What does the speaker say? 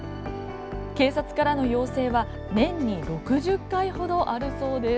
警察からの要請は年に６０回ほどあるそうです。